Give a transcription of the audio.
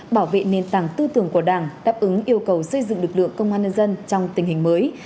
bảo vệ nền tảng tư tưởng của đảng đáp ứng yêu cầu xây dựng lực lượng công an nhân dân trong tình hình mới